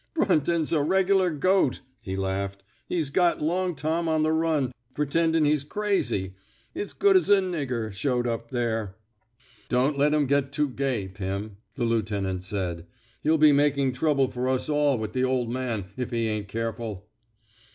" Brunton's a regular goat!'* he laughed. He's got * Long Tom ' on the run, pretendin' he's crazy. It's 's good 's a nigger show up there." Don't let him get too gay, Pim," the lieutenant said. He'll be maki^g trouble for us all with the old man, if he ain't care ful."